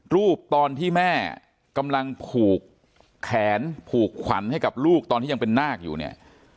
รูปตอนที่แม่กำลังผูกแขนผูกขวัญให้กับลูกตอนที่ยังเป็นนาคอยู่เนี่ย